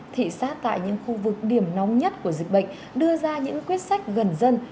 thị xác tại những khu vực điểm nóng nhất của dịch bệnh đưa ra những quyết sách gần dân